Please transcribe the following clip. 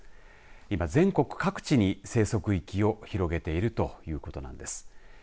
今、全国各地に生息域を広げているということなんです。